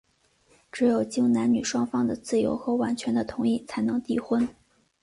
只有经男女双方的自由和完全的同意,才能缔婚。